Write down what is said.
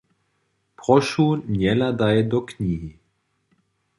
Prošu njehladaj do knihi.